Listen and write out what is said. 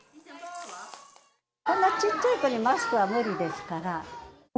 こんな小っちゃい子にマスクは無理ですから。